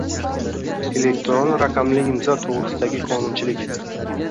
Elektron raqamli imzo to‘g‘risidagi qonunchilik